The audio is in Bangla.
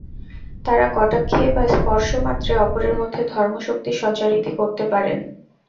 তাঁরা কটাক্ষে বা স্পর্শমাত্রে অপরের মধ্যে ধর্মশক্তি সঞ্চারিত করতে পারেন।